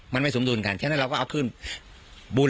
มันไม่สมดุลกันฉะนั้นเราก็เอาขึ้นบุญ